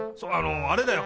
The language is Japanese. あれだよ